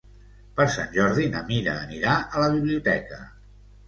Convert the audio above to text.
Per Sant Jordi na Mira anirà a la biblioteca.